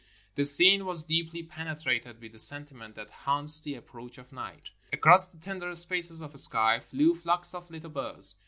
The scene was deeply penetrated with the sentiment that haunts the approach of night. Across the tender spaces of sky flew flocks of Uttle birds.